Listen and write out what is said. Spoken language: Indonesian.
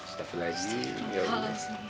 setelah ini ya allah